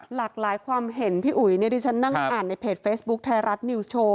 หลากหลายความเห็นพี่อุ๋ยเนี่ยที่ฉันนั่งอ่านในเพจเฟซบุ๊คไทยรัฐนิวส์โชว์